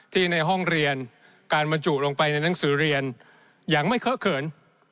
ในห้องเรียนการบรรจุลงไปในหนังสือเรียนยังไม่เคอะเขิน